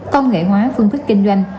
công nghệ hóa phương thức kinh doanh